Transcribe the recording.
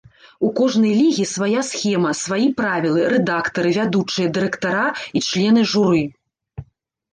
У кожнай лігі свая схема, сваі правілы, рэдактары, вядучыя, дырэктара і члены журы.